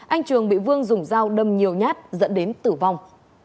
anh trường bị vương dùng dao đâm nhiều nhát dẫn đến tử vong